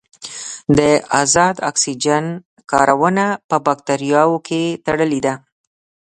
د ازاد اکسیجن کارونه په باکتریاوو کې تړلې ده.